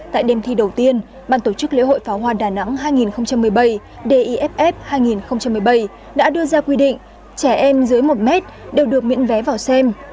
tại đêm thi đầu tiên bàn tổ chức lễ hội pháo hoa đà nẵng hai nghìn một mươi bảy diff hai nghìn một mươi bảy đã đưa ra quy định trẻ em dưới một mét đều được miễn vé vào xem